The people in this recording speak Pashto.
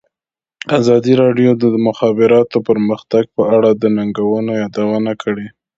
ازادي راډیو د د مخابراتو پرمختګ په اړه د ننګونو یادونه کړې.